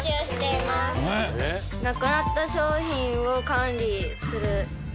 なくなった商品を管理する。